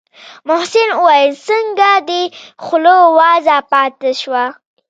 محسن وويل څنگه دې خوله وازه پاته شوه.